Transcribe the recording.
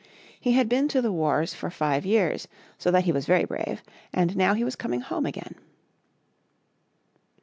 He had been to the wars for five years, so that he was very brave, and now he was coming home again.